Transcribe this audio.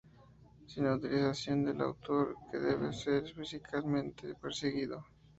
sin autorización del autor que debe ser eficazmente perseguido